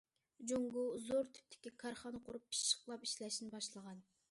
« جۇڭگو زور تىپتىكى كارخانا قۇرۇپ پىششىقلاپ ئىشلەشنى باشلىغان».